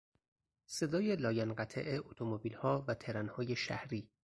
صدای لاینقطع اتومبیلها و ترنهای شهری